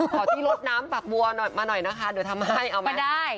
ขอที่ลดน้ำฝักบัวหน่อยมาหน่อยนะคะเดี๋ยวทำให้เอามาไม่ได้